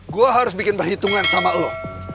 gue harus bikin perhitungan sama lo